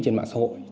trên mạng xã hội